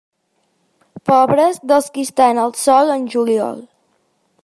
Pobres dels qui estan al sol en juliol.